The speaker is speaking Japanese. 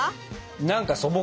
何か素朴。